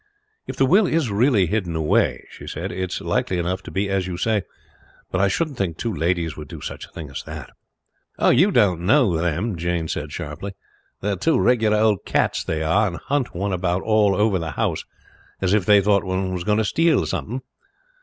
"If the will is really hidden away," she said, "it's likely enough to be as you say; but I shouldn't think two ladies would do such a thing as that." "Oh, you don't know them," Jane said sharply. "They are two regular old cats they are, and hunt one about all over the house as if they thought one was going to steal something.